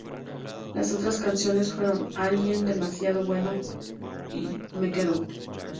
Las otras canciones fueron "Alguien", "Demasiado Bueno" y "Me Quedo".